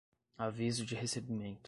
aviso de recebimento